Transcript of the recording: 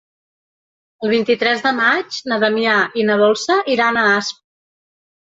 El vint-i-tres de maig na Damià i na Dolça iran a Asp.